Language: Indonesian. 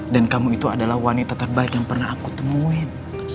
dan kamu itu adalah wanita terbaik yang pernah aku temuin